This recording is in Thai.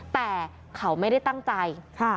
แต่เขาไม่ได้ตั้งใจ